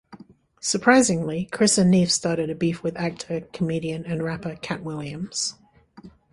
Surprisingly, Chris and Neef started a beef with actor, comedian and rapper, Katt Williams.